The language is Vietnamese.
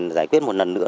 giải quyết một lần nữa